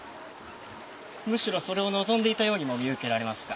むしろそれを望んでいたようにも見受けられますが。